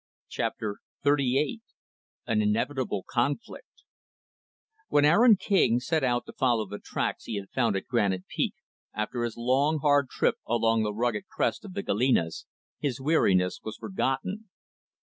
Chapter XXXVIII An Inevitable Conflict When Aaron King set out to follow the tracks he had found at Granite Peak, after his long, hard trip along the rugged crest of the Galenas, his weariness was forgotten.